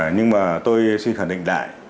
nhưng mà tôi xin khẳng định đại